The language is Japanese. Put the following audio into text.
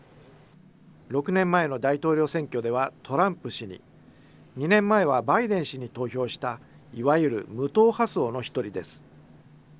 ６年前の大統領選挙ではトランプ氏に、２年前はバイデン氏に投票した、いわゆる無党派層の一人です。